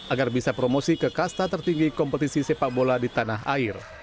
agar bisa promosi ke kasta tertinggi kompetisi sepak bola di tanah air